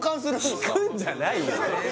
ひくんじゃないよ